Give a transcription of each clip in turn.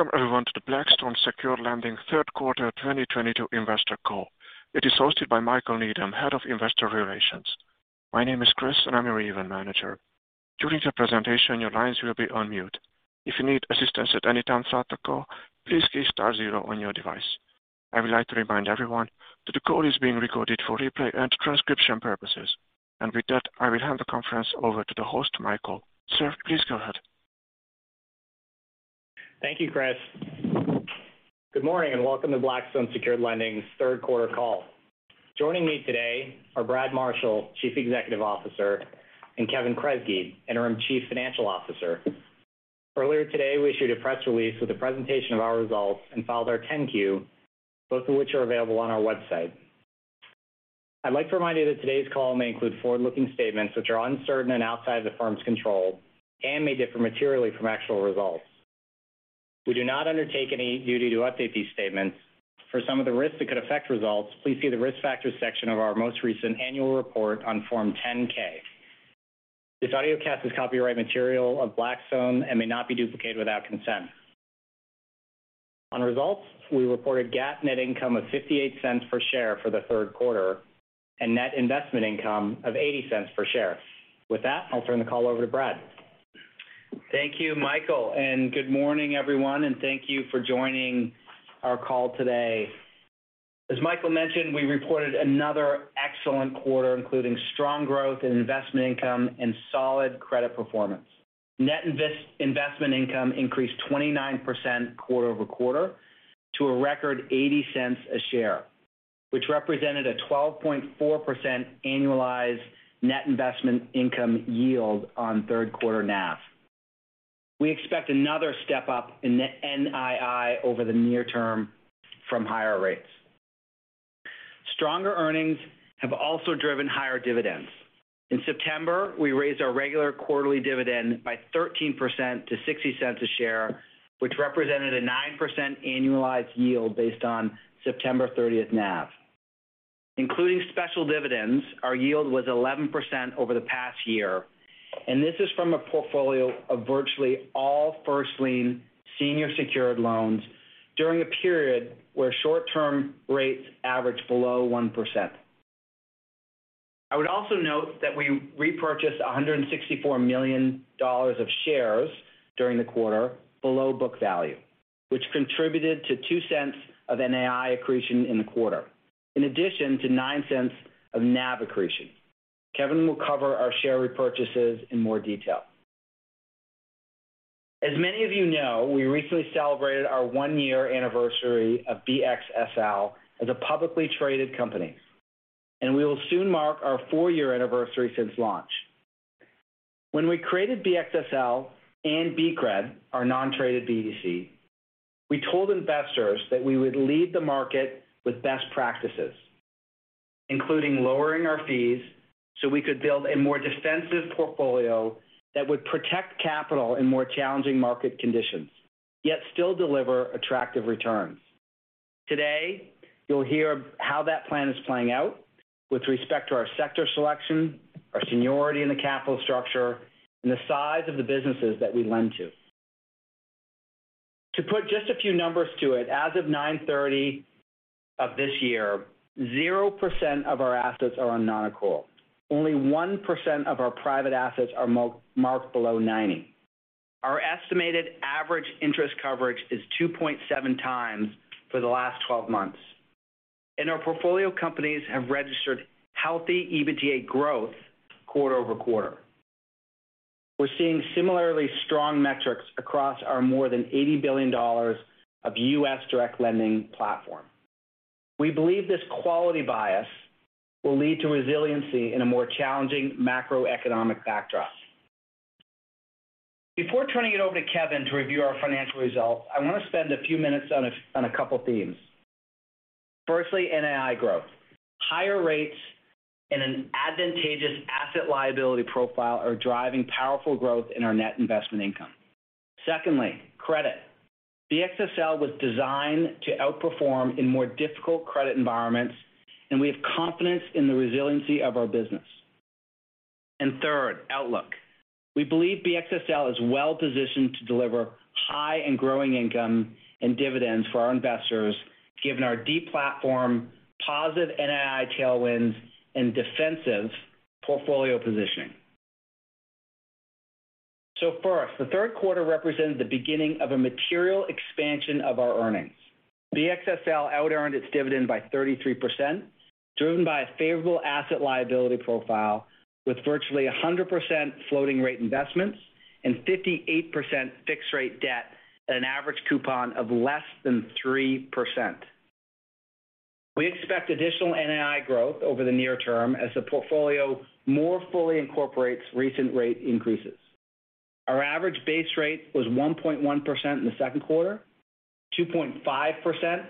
Welcome everyone to the Blackstone Secured Lending third quarter 2022 investor call. It is hosted by Michael Needham, Head of Investor Relations. My name is Chris, and I'm your event manager. During the presentation, your lines will be on mute. If you need assistance at any time throughout the call, please key star zero on your device. I would like to remind everyone that the call is being recorded for replay and transcription purposes. With that, I will hand the conference over to the host, Michael. Sir, please go ahead. Thank you, Chris. Good morning and welcome to Blackstone Secured Lending's third quarter call. Joining me today are Brad Marshall, Chief Executive Officer, and Kevin Kresge, Interim Chief Financial Officer. Earlier today, we issued a press release with a presentation of our results and filed our 10-Q, both of which are available on our website. I'd like to remind you that today's call may include forward-looking statements which are uncertain and outside of the firm's control and may differ materially from actual results. We do not undertake any duty to update these statements. For some of the risks that could affect results, please see the Risk Factors section of our most recent annual report on Form 10-K. This audiocast is copyright material of Blackstone and may not be duplicated without consent. On results, we reported GAAP net income of $0.58 per share for the third quarter, and net investment income of $0.80 per share. With that, I'll turn the call over to Brad. Thank you, Michael, and good morning everyone, and thank you for joining our call today. As Michael mentioned, we reported another excellent quarter, including strong growth in investment income and solid credit performance. Net investment income increased 29% quarter-over-quarter to a record $0.80 a share, which represented a 12.4% annualized net investment income yield on third quarter NAV. We expect another step up in NII over the near term from higher rates. Stronger earnings have also driven higher dividends. In September, we raised our regular quarterly dividend by 13% to $0.60 a share, which represented a 9% annualized yield based on September 30th NAV. Including special dividends, our yield was 11% over the past year, and this is from a portfolio of virtually all first-lien senior secured loans during a period where short-term rates averaged below 1%. I would also note that we repurchased $164 million of shares during the quarter below book value, which contributed to $0.02 of NAV accretion in the quarter. In addition to $0.09 of NAV accretion. Kevin will cover our share repurchases in more detail. As many of you know, we recently celebrated our one-year anniversary of BXSL as a publicly traded company, and we will soon mark our four-year anniversary since launch. When we created BXSL and BCRED, our non-traded BDC, we told investors that we would lead the market with best practices, including lowering our fees so we could build a more defensive portfolio that would protect capital in more challenging market conditions, yet still deliver attractive returns. Today, you'll hear how that plan is playing out with respect to our sector selection, our seniority in the capital structure, and the size of the businesses that we lend to. To put just a few numbers to it, as of 9/30 of this year, 0% of our assets are on non-accrual. Only 1% of our private assets are marked below 90. Our estimated average interest coverage is 2.7x for the last 12 months. Our portfolio companies have registered healthy EBITDA growth quarter-over-quarter. We're seeing similarly strong metrics across our more than $80 billion of U.S. direct lending platform. We believe this quality bias will lead to resiliency in a more challenging macroeconomic backdrop. Before turning it over to Kevin to review our financial results, I want to spend a few minutes on a couple of themes. Firstly, NII growth. Higher rates and an advantageous asset liability profile are driving powerful growth in our net investment income. Secondly, credit. BXSL was designed to outperform in more difficult credit environments, and we have confidence in the resiliency of our business. Third, outlook. We believe BXSL is well-positioned to deliver high and growing income and dividends for our investors, given our deep platform, positive NII tailwinds, and defensive portfolio positioning. First, the third quarter represents the beginning of a material expansion of our earnings. BXSL outearned its dividend by 33%, driven by a favorable asset liability profile with virtually 100% floating rate investments and 58% fixed rate debt at an average coupon of less than 3%. We expect additional NII growth over the near term as the portfolio more fully incorporates recent rate increases. Our average base rate was 1.1% in the second quarter, 2.5%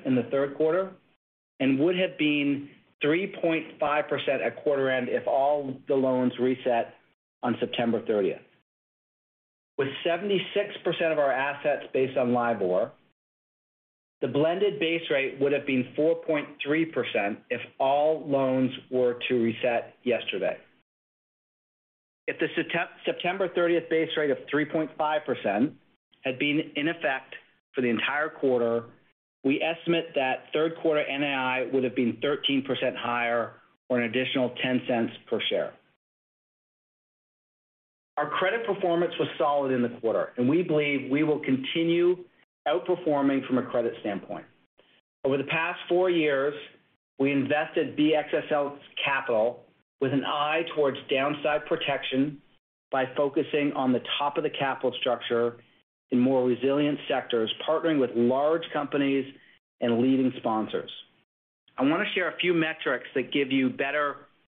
in the third quarter, and would have been 3.5% at quarter end if all the loans reset on September 30th. With 76% of our assets based on LIBOR, the blended base rate would have been 4.3% if all loans were to reset yesterday. If the September 30th base rate of 3.5% had been in effect for the entire quarter, we estimate that third quarter NAV would have been 13% higher or an additional $0.10 per share. Our credit performance was solid in the quarter, and we believe we will continue outperforming from a credit standpoint. Over the past four years, we invested BXSL's capital with an eye towards downside protection by focusing on the top of the capital structure in more resilient sectors, partnering with large companies and leading sponsors. I wanna share a few metrics that give you a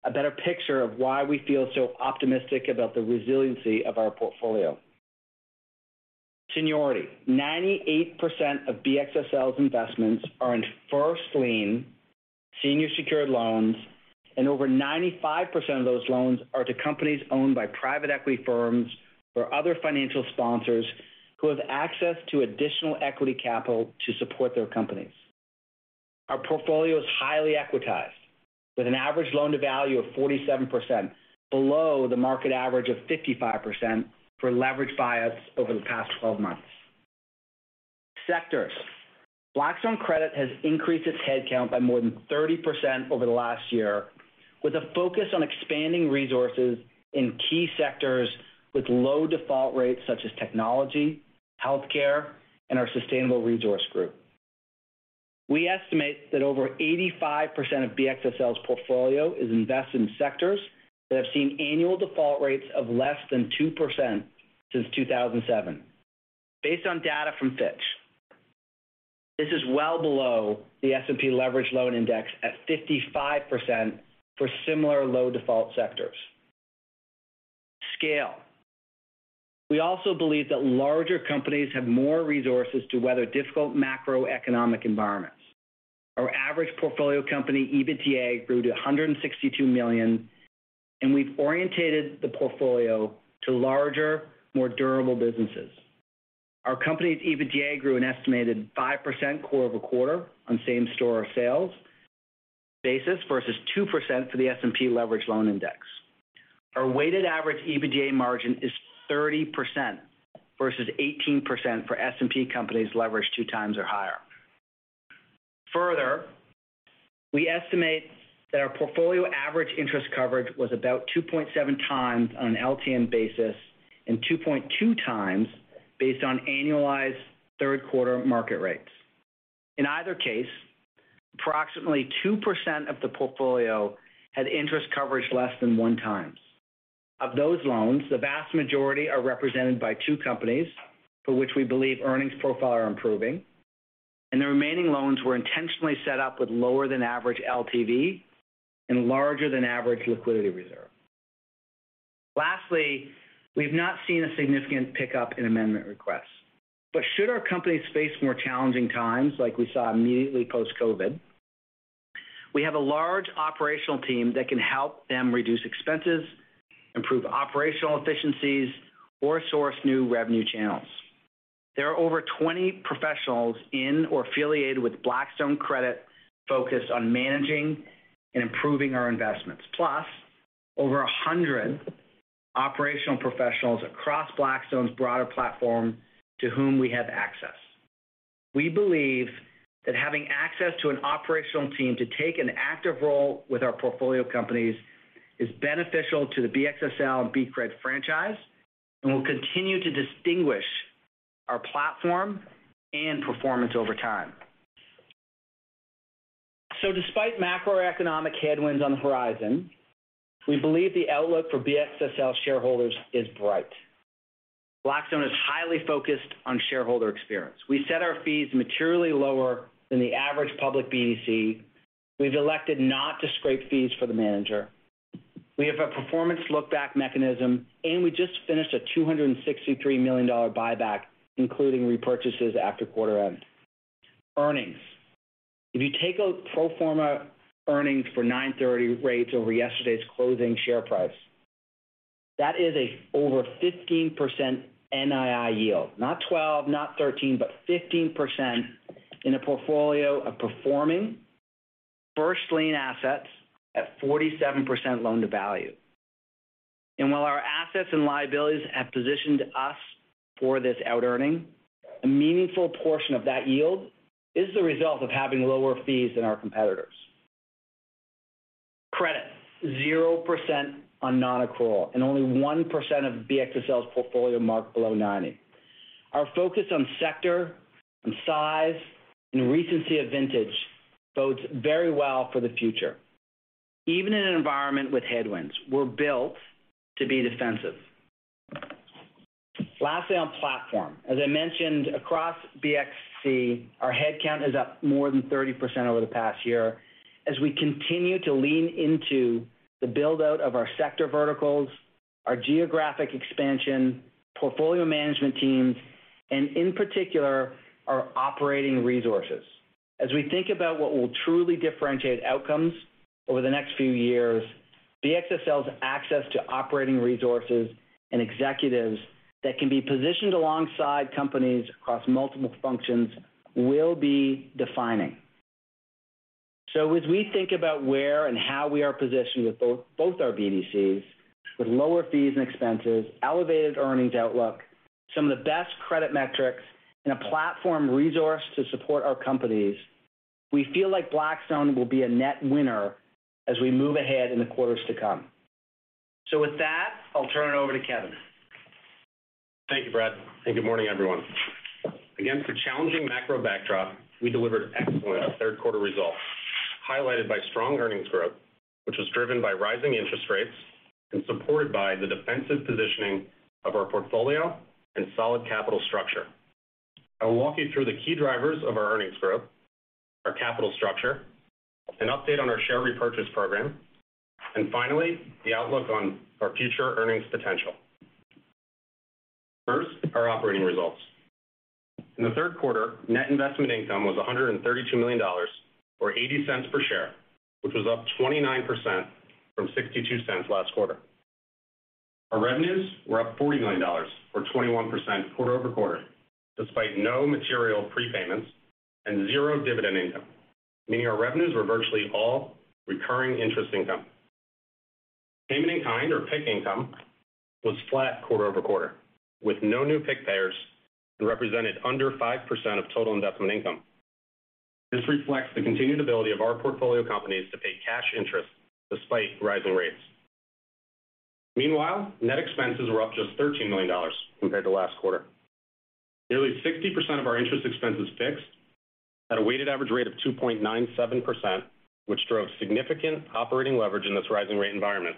better picture of why we feel so optimistic about the resiliency of our portfolio. Seniority. 98% of BXSL's investments are in first-lien senior secured loans, and over 95% of those loans are to companies owned by private equity firms or other financial sponsors who have access to additional equity capital to support their companies. Our portfolio is highly equitized with an average loan-to-value of 47% below the market average of 55% for leverage buyouts over the past 12 months. Sectors. Blackstone Credit has increased its headcount by more than 30% over the last year, with a focus on expanding resources in key sectors with low default rates such as technology, healthcare, and our Sustainable Resources Group. We estimate that over 85% of BXSL's portfolio is invested in sectors that have seen annual default rates of less than 2% since 2007, based on data from Fitch. This is well below the S&P Leveraged Loan Index at 55% for similar low default sectors. Scale, we also believe that larger companies have more resources to weather difficult macroeconomic environments. Our average portfolio company EBITDA grew to $162 million, and we've orientated the portfolio to larger, more durable businesses. Our company's EBITDA grew an estimated 5% quarter-over-quarter on same-store sales basis versus 2% for the S&P Leveraged Loan Index. Our weighted average EBITDA margin is 30% versus 18% for S&P companies leveraged 2x or higher. Further, we estimate that our portfolio average interest coverage was about 2.7x on an LTM basis and 2.2x based on annualized third quarter market rates. In either case, approximately 2% of the portfolio had interest coverage less than 1x. Of those loans, the vast majority are represented by two companies for which we believe earnings profile are improving, and the remaining loans were intentionally set up with lower than average LTV and larger than average liquidity reserve. Lastly, we've not seen a significant pickup in amendment requests. Should our companies face more challenging times like we saw immediately post-COVID, we have a large operational team that can help them reduce expenses, improve operational efficiencies, or source new revenue channels. There are over 20 professionals in or affiliated with Blackstone Credit focused on managing and improving our investments, plus over 100 operational professionals across Blackstone's broader platform to whom we have access. We believe that having access to an operational team to take an active role with our portfolio companies is beneficial to the BXSL and BCRED franchise and will continue to distinguish our platform and performance over time. Despite macroeconomic headwinds on the horizon, we believe the outlook for BXSL shareholders is bright. Blackstone is highly focused on shareholder experience. We set our fees materially lower than the average public BDC. We've elected not to scrape fees for the manager. We have a performance look back mechanism, and we just finished a $263 million buyback, including repurchases after quarter end. Earnings. If you take a pro forma earnings for 9.30 rates over yesterday's closing share price, that is over 15% NII yield. Not 12%, not 13%, but 15% in a portfolio of performing first-lien assets at 47% loan-to-value. While our assets and liabilities have positioned us for this out earning, a meaningful portion of that yield is the result of having lower fees than our competitors. Credit, 0% on non-accrual and only 1% of BXSL's portfolio marked below 90. Our focus on sector, on size, and recency of vintage bodes very well for the future. Even in an environment with headwinds, we're built to be defensive. Lastly, on platform. As I mentioned across BXC, our head count is up more than 30% over the past year as we continue to lean into the build-out of our sector verticals, our geographic expansion, portfolio management teams, and in particular, our operating resources. As we think about what will truly differentiate outcomes over the next few years, BXSL's access to operating resources and executives that can be positioned alongside companies across multiple functions will be defining. As we think about where and how we are positioned with both our BDCs, with lower fees and expenses, elevated earnings outlook, some of the best credit metrics, and a platform resource to support our companies, we feel like Blackstone will be a net winner as we move ahead in the quarters to come. With that, I'll turn it over to Kevin. Thank you, Brad, and good morning, everyone. Again, for challenging macro backdrop, we delivered excellent third quarter results, highlighted by strong earnings growth, which was driven by rising interest rates and supported by the defensive positioning of our portfolio and solid capital structure. I will walk you through the key drivers of our earnings growth, our capital structure, an update on our share repurchase program, and finally, the outlook on our future earnings potential. First, our operating results. In the third quarter, net investment income was $132 million or $0.80 per share, which was up 29% from $0.62 last quarter. Our revenues were up $40 million or 21% quarter-over-quarter, despite no material prepayments and zero dividend income, meaning our revenues were virtually all recurring interest income. Payment in kind or PIK income was flat quarter-over-quarter with no new PIK payers and represented under 5% of total investment income. This reflects the continued ability of our portfolio companies to pay cash interest despite rising rates. Meanwhile, net expenses were up just $13 million compared to last quarter. Nearly 60% of our interest expense is fixed at a weighted average rate of 2.97%, which drove significant operating leverage in this rising rate environment.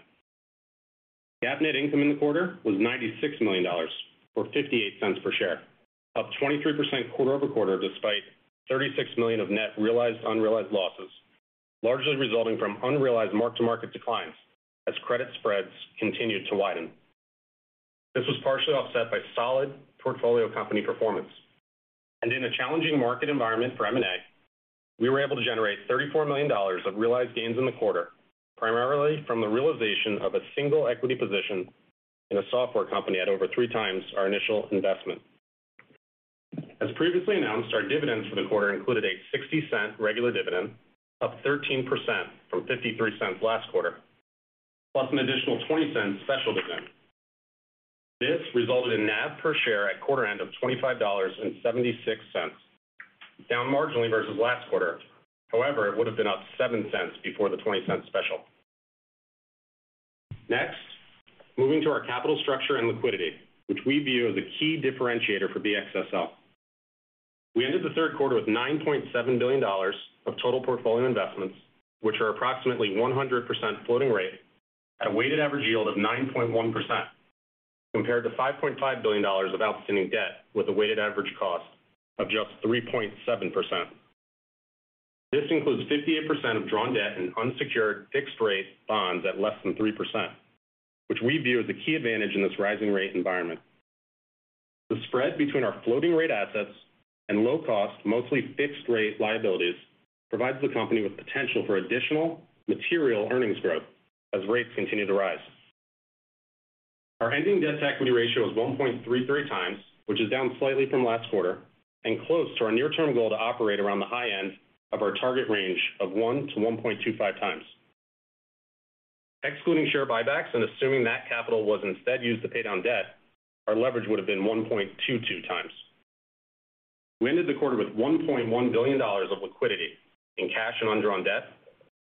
GAAP net income in the quarter was $96 million, or $0.58 per share, up 23% quarter-over-quarter despite $36 million of net realized unrealized losses, largely resulting from unrealized mark-to-market declines as credit spreads continued to widen. This was partially offset by solid portfolio company performance. In a challenging market environment for M&A, we were able to generate $34 million of realized gains in the quarter, primarily from the realization of a single equity position in a software company at over 3 times our initial investment. As previously announced, our dividends for the quarter included a $0.60 regular dividend, up 13% from $0.53 last quarter, plus an additional $0.20 special dividend. This resulted in NAV per share at quarter end of $25.76, down marginally versus last quarter. However, it would have been up $0.07 Before the $0.20 special. Next, moving to our capital structure and liquidity, which we view as a key differentiator for BXSL. We ended the third quarter with $9.7 billion of total portfolio investments, which are approximately 100% floating rate at a weighted average yield of 9.1% compared to $5.5 billion of outstanding debt with a weighted average cost of just 3.7%. This includes 58% of drawn debt in unsecured fixed rate bonds at less than 3%, which we view as a key advantage in this rising rate environment. The spread between our floating rate assets and low cost, mostly fixed rate liabilities, provides the company with potential for additional material earnings growth as rates continue to rise. Our ending debt to equity ratio is 1.33x, which is down slightly from last quarter and close to our near-term goal to operate around the high end of our target range of 1x-1.25x. Excluding share buybacks and assuming that capital was instead used to pay down debt, our leverage would have been 1.22x. We ended the quarter with $1.1 billion of liquidity in cash and undrawn debt,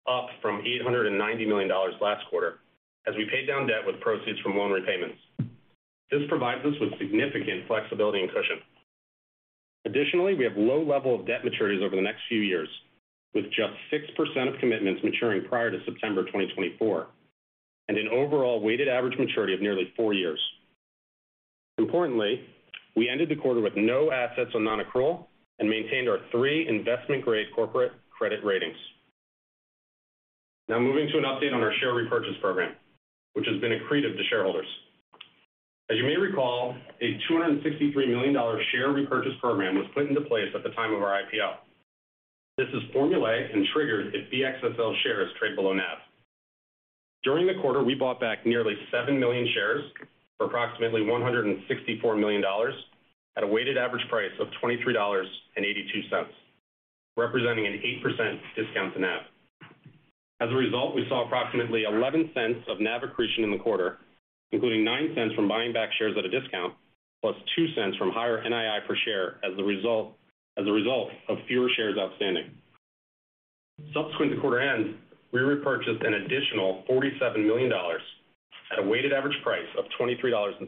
up from $890 million last quarter as we paid down debt with proceeds from loan repayments. This provides us with significant flexibility and cushion. Additionally, we have low level of debt maturities over the next few years, with just 6% of commitments maturing prior to September 2024, and an overall weighted average maturity of nearly four years. Importantly, we ended the quarter with no assets on non-accrual and maintained our three investment-grade corporate credit ratings. Now moving to an update on our share repurchase program, which has been accretive to shareholders. As you may recall, a $263 million share repurchase program was put into place at the time of our IPO. This is formulaic and triggers if BXSL shares trade below NAV. During the quarter, we bought back nearly 7 million shares for approximately $164 million at a weighted average price of $23.82, representing an 8% discount to NAV. As a result, we saw approximately $0.11 of NAV accretion in the quarter, including $0.09 from buying back shares at a discount, plus $0.02 from higher NII per share as a result of fewer shares outstanding. Subsequent to quarter end, we repurchased an additional $47 million at a weighted average price of $23.65,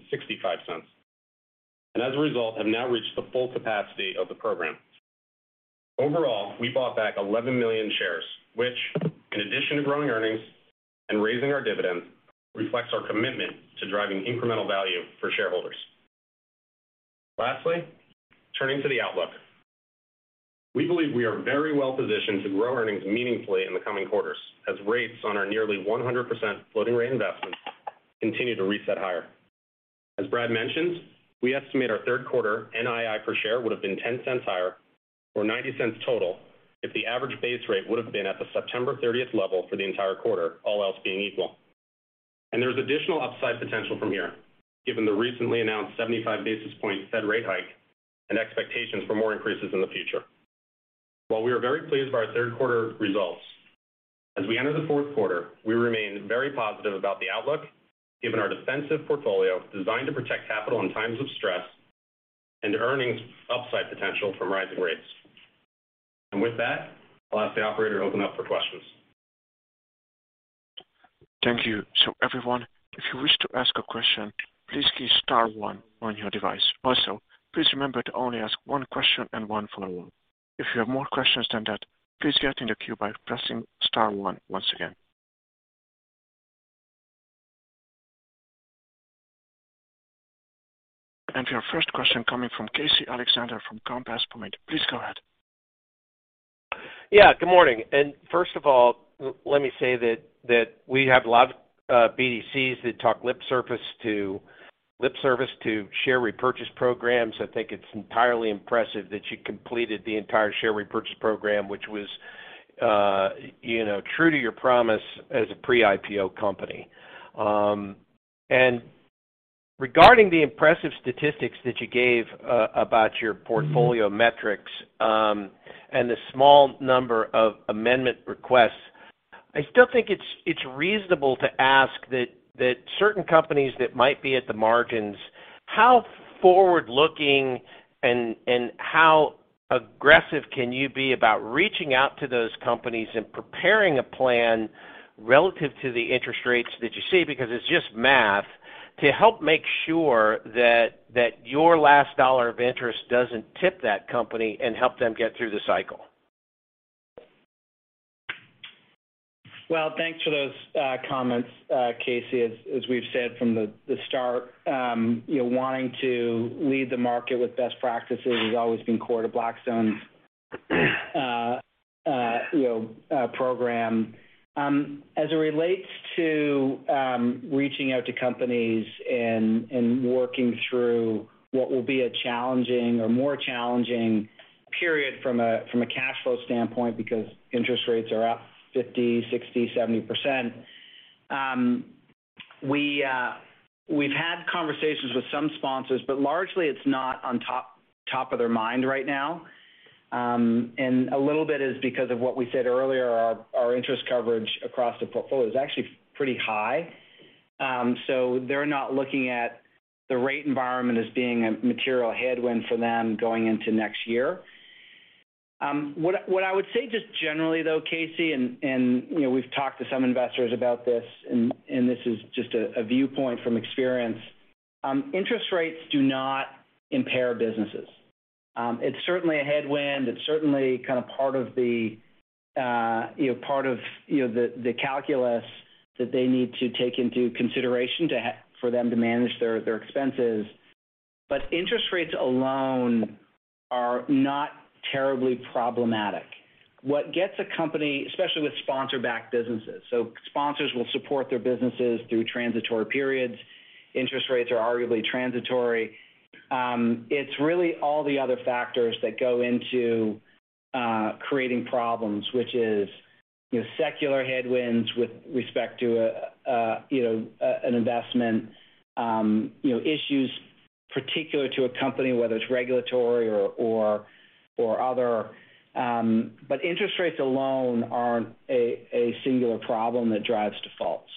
and as a result, have now reached the full capacity of the program. Overall, we bought back 11 million shares, which, in addition to growing earnings and raising our dividend, reflects our commitment to driving incremental value for shareholders. Lastly, turning to the outlook. We believe we are very well positioned to grow earnings meaningfully in the coming quarters as rates on our nearly 100% floating rate investments continue to reset higher. As Brad mentioned, we estimate our third quarter NII per share would have been $0.10 higher or $0.90 total if the average base rate would have been at the September 30th level for the entire quarter, all else being equal. There's additional upside potential from here, given the recently announced 75 basis point Fed rate hike and expectations for more increases in the future. While we are very pleased by our third quarter results, as we enter the fourth quarter, we remain very positive about the outlook, given our defensive portfolio designed to protect capital in times of stress and earnings upside potential from rising rates. With that, I'll ask the operator to open up for questions. Thank you. Everyone, if you wish to ask a question, please press star one on your device. Also, please remember to only ask one question and one follow-up. If you have more questions than that, please get in the queue by pressing star one once again. Your first question coming from Casey Alexander from Compass Point. Please go ahead. Yeah, good morning. First of all, let me say that we have a lot of BDCs that pay lip service to share repurchase programs. I think it's entirely impressive that you completed the entire share repurchase program, which was, you know, true to your promise as a pre-IPO company. Regarding the impressive statistics that you gave about your portfolio metrics and the small number of amendment requests, I still think it's reasonable to ask that certain companies that might be at the margins, how forward-looking and how aggressive can you be about reaching out to those companies and preparing a plan relative to the interest rates that you see, because it's just math, to help make sure that your last dollar of interest doesn't tip that company and help them get through the cycle? Well, thanks for those comments, Casey. As we've said from the start, you know, wanting to lead the market with best practices has always been core to Blackstone's, you know, program. As it relates to reaching out to companies and working through what will be a challenging or more challenging period from a cash flow standpoint because interest rates are up 50%, 60%, 70%, we've had conversations with some sponsors, but largely it's not on top of their mind right now. A little bit is because of what we said earlier, our interest coverage across the portfolio is actually pretty high. They're not looking at the rate environment as being a material headwind for them going into next year. What I would say just generally, though, Casey, you know, we've talked to some investors about this and this is just a viewpoint from experience, interest rates do not impair businesses. It's certainly a headwind. It's certainly kind of part of the calculus that they need to take into consideration for them to manage their expenses. Interest rates alone are not terribly problematic. What gets a company, especially with sponsor-backed businesses, so sponsors will support their businesses through transitory periods. Interest rates are arguably transitory. It's really all the other factors that go into creating problems, which is secular headwinds with respect to an investment, issues particular to a company, whether it's regulatory or other. Interest rates alone aren't a singular problem that drives defaults.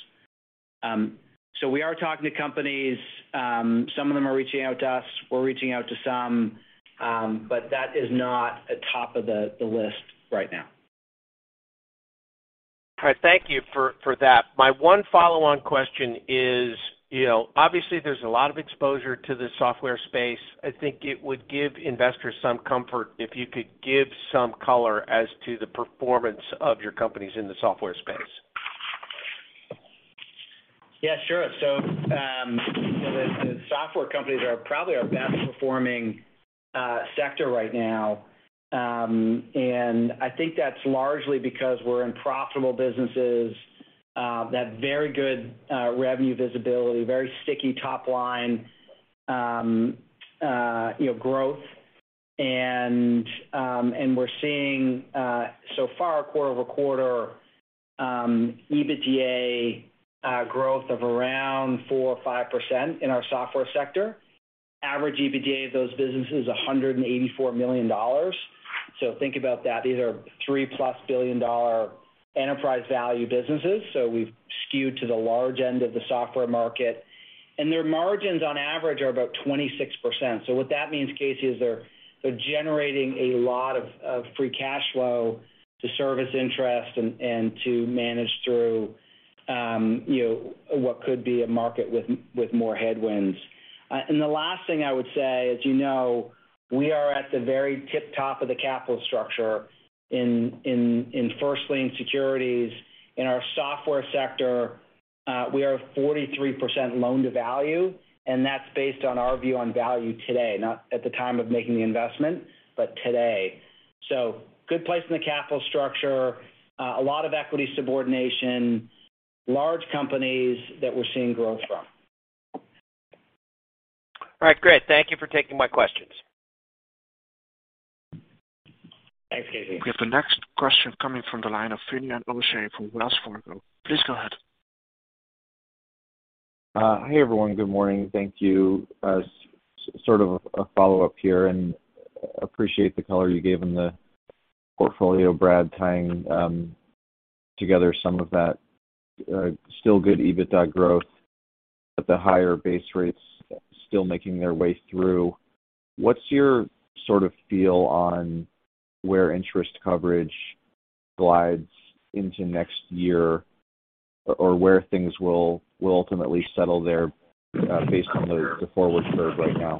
We are talking to companies. Some of them are reaching out to us. We're reaching out to some, but that is not at the top of the list right now. All right. Thank you for that. My one follow-on question is, you know, obviously there's a lot of exposure to the software space. I think it would give investors some comfort if you could give some color as to the performance of your companies in the software space. Yeah, sure. The software companies are probably our best performing sector right now. I think that's largely because we're in profitable businesses that very good revenue visibility, very sticky top line, you know, growth. We're seeing so far quarter-over-quarter EBITDA growth of around 4% or 5% in our software sector. Average EBITDA of those business is $184 million. So think about that. These are $3+ billion enterprise value businesses. So we've skewed to the large end of the software market. Their margins on average are about 26%. What that means, Casey, is they're generating a lot of free cash flow to service interest and to manage through, you know, what could be a market with more headwinds. The last thing I would say, as you know, we are at the very tip top of the capital structure in first lien securities. In our software sector, we are 43% loan to value, and that's based on our view on value today, not at the time of making the investment, but today. Good place in the capital structure, a lot of equity subordination, large companies that we're seeing growth from. All right, great. Thank you for taking my questions. We have the next question coming from the line of Finian O'Shea from Wells Fargo. Please go ahead. Hey everyone. Good morning. Thank you. As sort of a follow-up here and appreciate the color you gave in the portfolio, Brad, tying together some of that still good EBITDA growth, but the higher base rates still making their way through. What's your sort of feel on where interest coverage glides into next year or where things will ultimately settle there, based on the forward curve right now?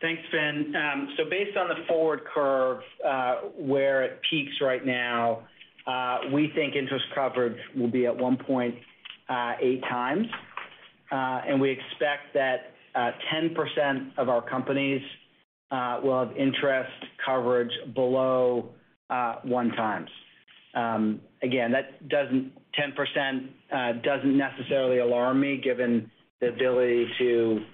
Thanks, Fin. So based on the forward curve, where it peaks right now, we think interest coverage will be at 1.8x. We expect that 10% of our companies will have interest coverage below 1x. Again, 10% doesn't necessarily alarm me given the ability to, you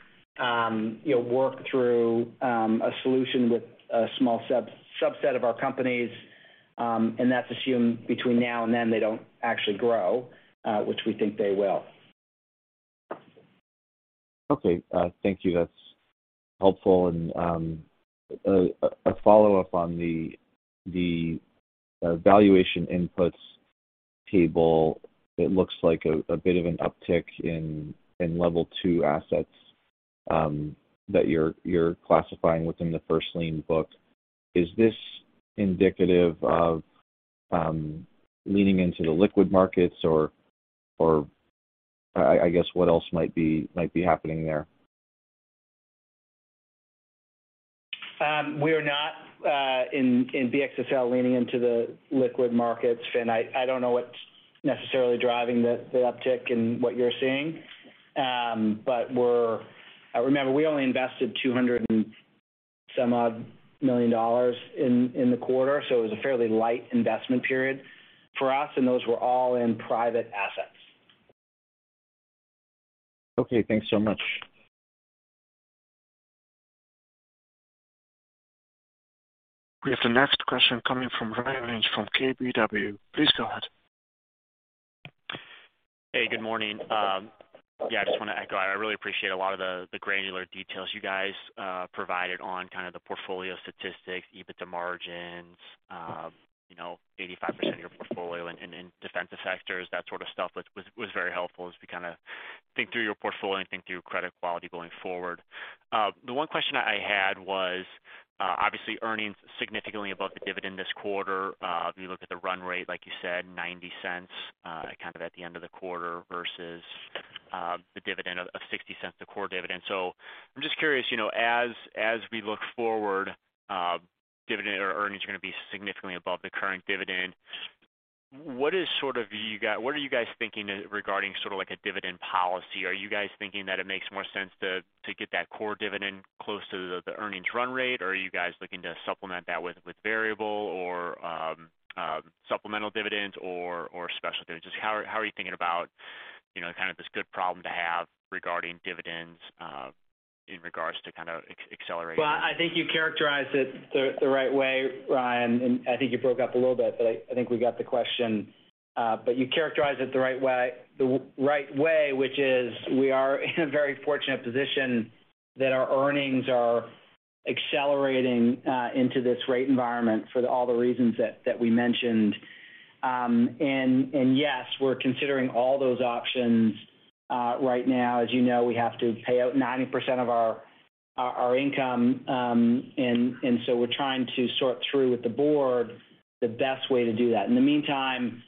know, work through a solution with a small sub-subset of our companies. That's assumed between now and then, they don't actually grow, which we think they will. Okay, thank you. That's helpful. A follow-up on the valuation inputs table, it looks like a bit of an uptick in Level 2 assets that you're classifying within the first lien book. Is this indicative of leaning into the liquid markets or I guess what else might be happening there? We are not in BXSL leaning into the liquid markets, Finn. I don't know what's necessarily driving the uptick in what you're seeing. Remember, we only invested $200 and some odd million in the quarter, so it was a fairly light investment period for us, and those were all in private assets. Okay, thanks so much. We have the next question coming from Ryan Lynch from KBW. Please go ahead. Hey, good morning. Yeah, I just want to echo. I really appreciate a lot of the granular details you guys provided on kind of the portfolio statistics, EBITDA margins, you know, 85% of your portfolio in defensive sectors, that sort of stuff was very helpful as we kind of think through your portfolio and think through credit quality going forward. The one question I had was, obviously earnings significantly above the dividend this quarter. If you look at the run rate, like you said, $0.90 kind of at the end of the quarter versus the dividend of $0.60, the core dividend. I'm just curious, you know, as we look forward, dividend or earnings are going to be significantly above the current dividend. What are you guys thinking regarding sort of like a dividend policy? Are you guys thinking that it makes more sense to get that core dividend close to the earnings run rate, or are you guys looking to supplement that with variable or supplemental dividends or special dividends? Just how are you thinking about, you know, kind of this good problem to have regarding dividends in regards to kind of accelerating? Well, I think you characterized it the right way, Ryan. I think you broke up a little bit, but I think we got the question. You characterized it the right way, which is we are in a very fortunate position that our earnings are accelerating into this rate environment for all the reasons that we mentioned. Yes, we're considering all those options right now. As you know, we have to pay out 90% of our income, so we're trying to sort through with the board the best way to do that. In the meantime,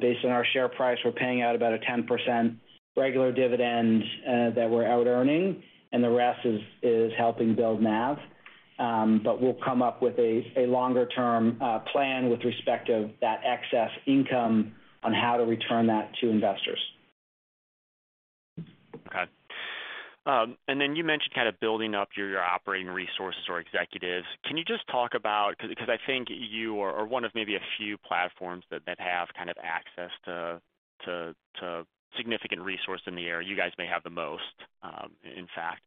based on our share price, we're paying out about a 10% regular dividend that we're out earning and the rest is helping build NAV.We'll come up with a longer-term plan with respect to that excess income on how to return that to investors. Okay. You mentioned kind of building up your operating resources or executives. Can you just talk about 'Cause I think you are one of maybe a few platforms that have kind of access to significant resource in the area. You guys may have the most, in fact.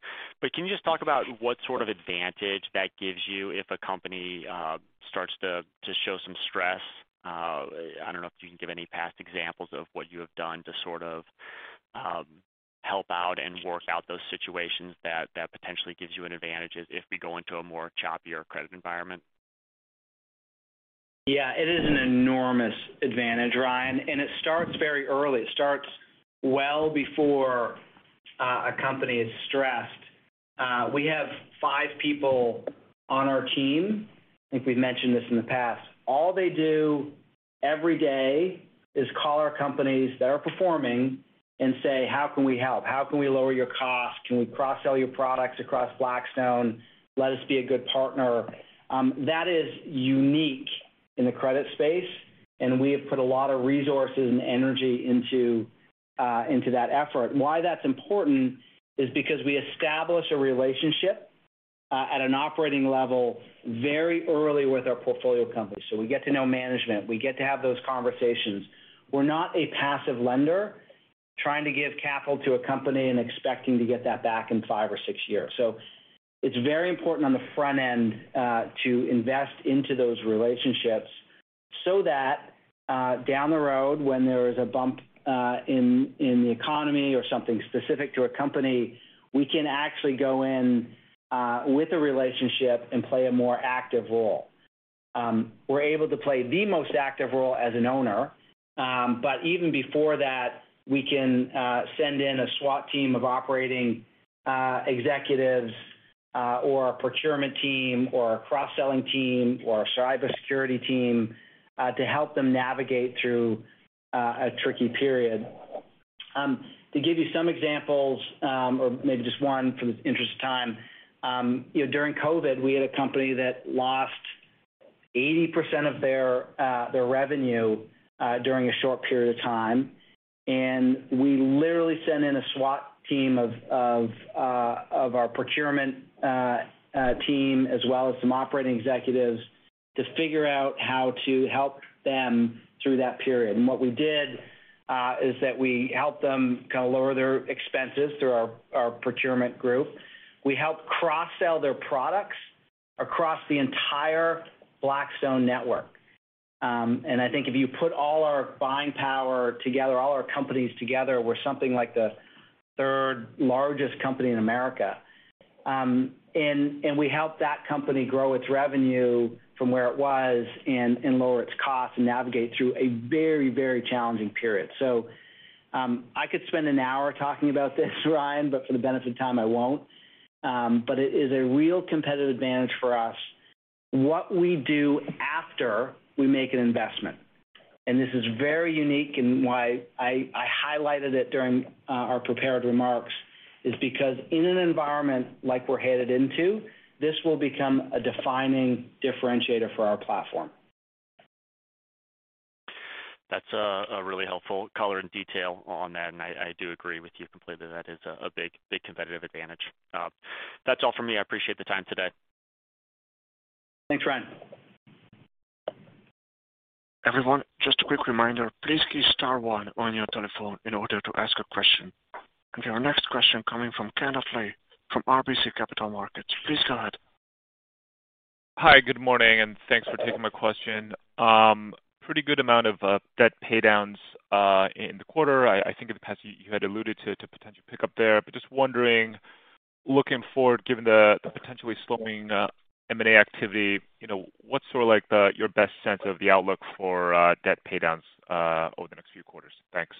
Can you just talk about what sort of advantage that gives you if a company starts to show some stress? I don't know if you can give any past examples of what you have done to sort of help out and work out those situations that potentially gives you an advantage if we go into a more choppier credit environment. Yeah, it is an enormous advantage, Ryan, and it starts very early. It starts well before a company is stressed. We have five people on our team, I think we've mentioned this in the past. All they do every day is call our companies that are performing and say, "How can we help? How can we lower your cost? Can we cross-sell your products across Blackstone? Let us be a good partner." That is unique in the credit space, and we have put a lot of resources and energy into that effort. Why that's important is because we establish a relationship at an operating level very early with our portfolio companies. We get to know management. We get to have those conversations. We're not a passive lender trying to give capital to a company and expecting to get that back in five or six years. It's very important on the front end to invest into those relationships so that down the road, when there is a bump in the economy or something specific to a company, we can actually go in with a relationship and play a more active role. We're able to play the most active role as an owner, but even before that, we can send in a SWAT team of operating executives or a procurement team or a cross-selling team or a cybersecurity team to help them navigate through a tricky period. To give you some examples, or maybe just one in the interest of time, you know, during COVID, we had a company that lost 80% of their revenue during a short period of time, and we literally sent in a SWAT team of our procurement team as well as some operating executives to figure out how to help them through that period. What we did is that we helped them kinda lower their expenses through our procurement group. We helped cross-sell their products across the entire Blackstone network. I think if you put all our buying power together, all our companies together, we're something like the third-largest company in America. We helped that company grow its revenue from where it was and lower its cost and navigate through a very, very challenging period. I could spend an hour talking about this, Ryan, but for the benefit of time, I won't. It is a real competitive advantage for us what we do after we make an investment. This is very unique, and why I highlighted it during our prepared remarks, is because in an environment like we're headed into, this will become a defining differentiator for our platform. That's a really helpful color and detail on that, and I do agree with you completely. That is a big competitive advantage. That's all for me. I appreciate the time today. Thanks, Ryan. Everyone, just a quick reminder, please key star one on your telephone in order to ask a question. Our next question coming from Kenneth Lee from RBC Capital Markets. Please go ahead. Hi. Good morning, and thanks for taking my question. Pretty good amount of debt paydowns in the quarter. I think in the past you had alluded to potential pickup there. Just wondering, looking forward, given the potentially slowing M&A activity, you know, what's sort of like your best sense of the outlook for debt paydowns over the next few quarters? Thanks.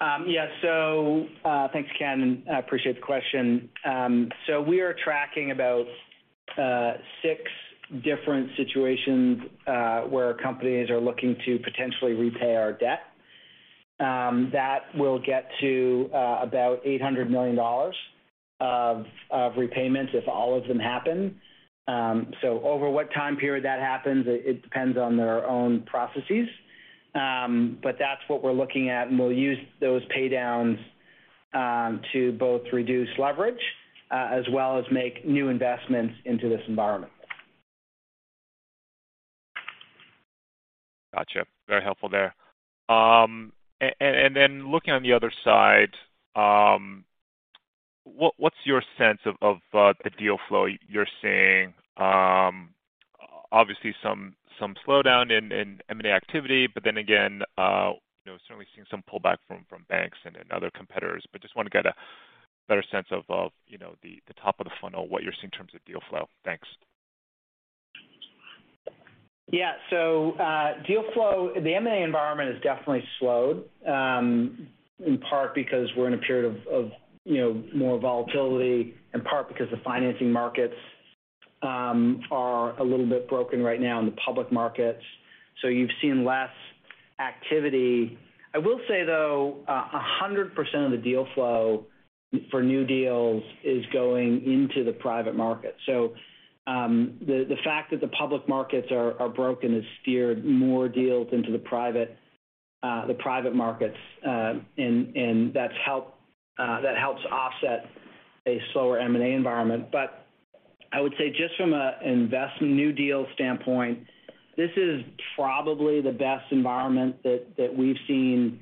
Yeah. Thanks, Ken, and I appreciate the question. We are tracking about six different situations where companies are looking to potentially repay our debt. That will get to about $800 million of repayments if all of them happen. Over what time period that happens, it depends on their own processes. That's what we're looking at, and we'll use those paydowns to both reduce leverage as well as make new investments into this environment. Gotcha. Very helpful there. And then looking on the other side, what's your sense of the deal flow you're seeing? Obviously some slowdown in M&A activity, but then again, you know, certainly seeing some pullback from banks and other competitors. Just wanna get a better sense of, you know, the top of the funnel, what you're seeing in terms of deal flow. Thanks. Yeah. Deal flow. The M&A environment has definitely slowed, in part because we're in a period of you know, more volatility, in part because the financing markets are a little bit broken right now in the public markets, so you've seen less activity. I will say, though, 100% of the deal flow for new deals is going into the private market. The fact that the public markets are broken has steered more deals into the private markets, and that helps offset a slower M&A environment. I would say just from a investment new deal standpoint, this is probably the best environment that we've seen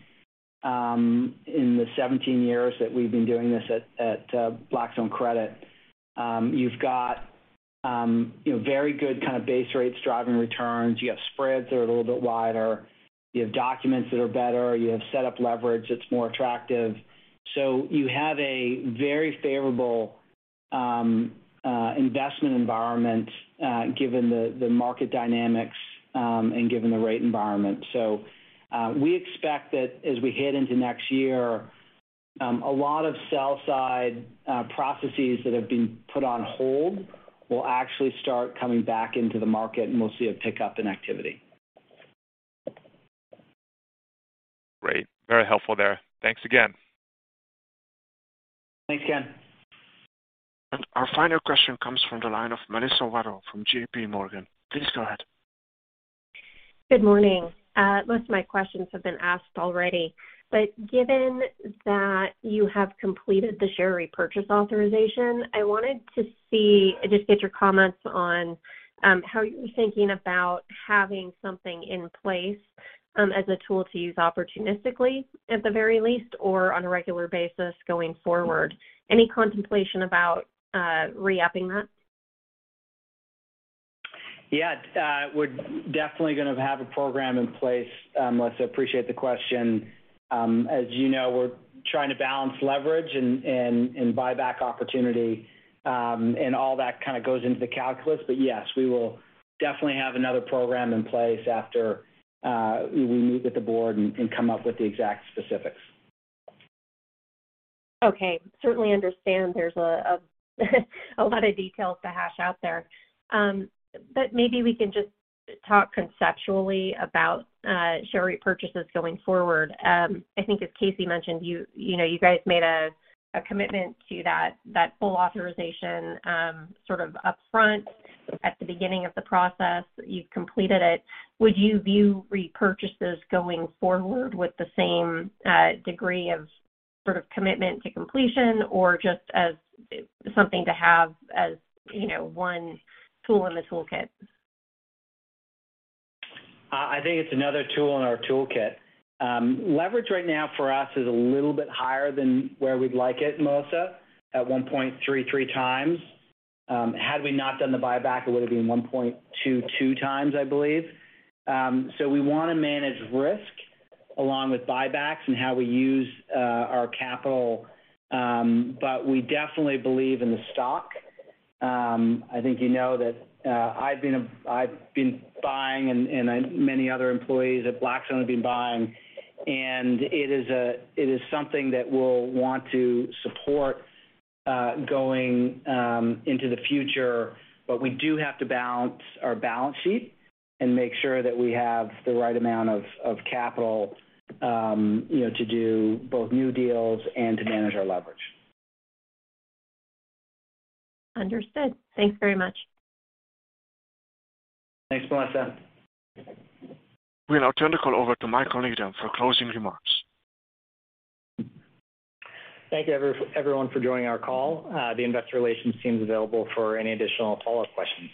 in the 17 years that we've been doing this at Blackstone Credit. You've got, you know, very good kinda base rates driving returns. You have spreads that are a little bit wider. You have documents that are better. You have set up leverage that's more attractive. You have a very favorable investment environment given the market dynamics and given the rate environment. We expect that as we head into next year, a lot of sell side processes that have been put on hold will actually start coming back into the market, and we'll see a pickup in activity. Great. Very helpful there. Thanks again. Thanks, Ken. Our final question comes from the line of Melissa Wedel from JPMorgan. Please go ahead. Good morning. Most of my questions have been asked already. Given that you have completed the share repurchase authorization, I wanted to just get your comments on how you're thinking about having something in place as a tool to use opportunistically at the very least or on a regular basis going forward. Any contemplation about re-upping that? Yeah. We're definitely gonna have a program in place. Melissa, appreciate the question. As you know, we're trying to balance leverage and buyback opportunity, and all that kinda goes into the calculus. Yes, we will definitely have another program in place after we meet with the board and come up with the exact specifics. Okay. Certainly understand there's a lot of details to hash out there. Maybe we can just talk conceptually about share repurchases going forward. I think as Casey mentioned, you know, you guys made a commitment to that full authorization sort of upfront at the beginning of the process. You've completed it. Would you view repurchases going forward with the same degree of sort of commitment to completion or just as something to have as, you know, one tool in the toolkit? I think it's another tool in our toolkit. Leverage right now for us is a little bit higher than where we'd like it, Melissa, at 1.33x. Had we not done the buyback, it would've been 1.22x, I believe. We wanna manage risk along with buybacks and how we use our capital, but we definitely believe in the stock. I think you know that, I've been buying and many other employees at Blackstone have been buying. It is something that we'll want to support going into the future, but we do have to balance our balance sheet and make sure that we have the right amount of capital, you know, to do both new deals and to manage our leverage. Understood. Thanks very much. Thanks, Melissa. We'll now turn the call over to Michael Needham for closing remarks. Thank you everyone for joining our call. The investor relations team is available for any additional follow-up questions.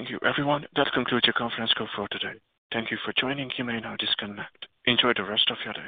Thank you, everyone. That concludes your conference call for today. Thank you for joining. You may now disconnect. Enjoy the rest of your day.